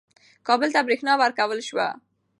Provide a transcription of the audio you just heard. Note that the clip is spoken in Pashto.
کابل ته برېښنا ورکړل شوه.